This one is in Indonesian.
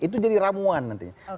itu jadi ramuan nantinya